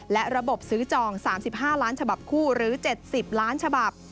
และระบบซื้อจอง๓๕ล้านฉบับคู่หรือ๗๐ล้านฉบับ